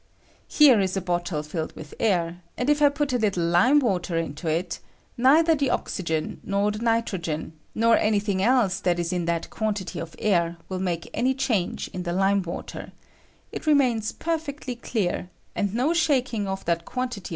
Here is a bottle filled with air; and if I put a httle lime water into it, neither the oxygen nor the nitrogen, nor any thing else that is in that quantity of air, will make any change in the lime water ; it remains perfectly clear, and no shaking of that quantity J 144 PKOFEETIES OF THE NEW GAS.